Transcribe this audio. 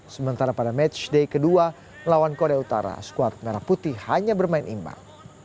sementara pada matchday kedua melawan korea utara skuad merah putih hanya bermain imbang